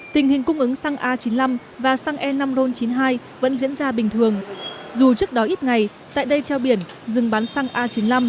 tình hình cung ứng xăng a chín mươi năm và xăng e năm ron chín mươi hai vẫn diễn ra bình thường dù trước đó ít ngày tại đây treo biển dừng bán xăng a chín mươi năm